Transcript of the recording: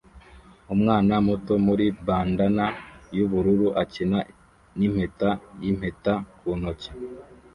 Umwana muto muri bandanna yubururu akina nimpeta yimpeta ku nkoni